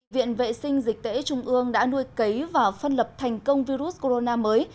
viện vệ sinh dịch tễ trung ương đã nuôi cấy và phân lập thành công virus corona mới